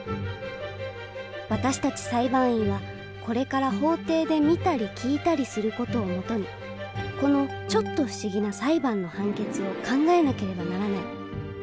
私たち裁判員はこれから法廷で見たり聞いたりする事を基にこのちょっと不思議な裁判の判決を考えなければならない。